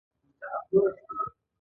د ده په لښکر کې له ټولو قومونو را ټول.